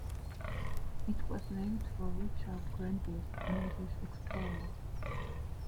It was named for Richard Grenville, an English explorer.